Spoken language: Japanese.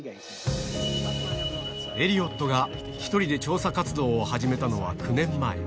エリオットが１人で調査活動を始めたのは９年前。